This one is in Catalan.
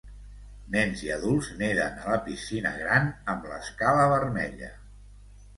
Nens i adults neden a la piscina gran amb l'escala vermella.